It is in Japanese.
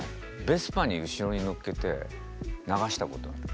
ベスパに後ろに乗っけて流したことある。